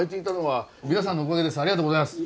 ありがとうございます。